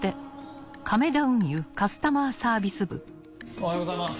おはようございます。